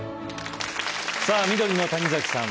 さぁ緑の谷崎さん